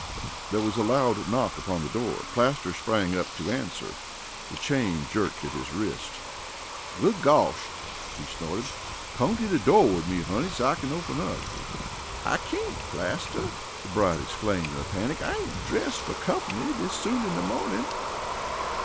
There was a loud knock upon the door. Plaster sprang up to answer. The chain jerked at his wrist. "Good gawsh!" he snorted. "Come to de door wid me, honey, so I kin open up." "I cain't, Plaster," the bride exclaimed in a panic. "I ain't dressed fer comp'ny dis soon in de mawnin."